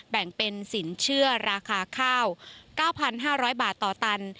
แบ่งเป็นสินเชื่อราคาข้าว๙๕๐๐บาทต่อตัน